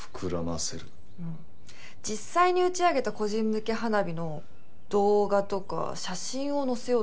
実際に打ち上げた個人向け花火の動画とか写真を載せようと思います。